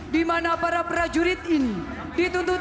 di mana para prajurit ini dituntut